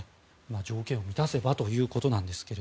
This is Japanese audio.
条件を満たせばということですが。